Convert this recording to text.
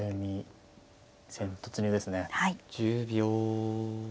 １０秒。